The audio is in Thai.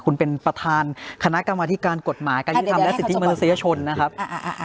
คุณเป็นประธานคณะกรรมวาธิการกฎหมายการยืดทำและสิทธิบันทศิษยชนนะครับอ่าอ่าอ่า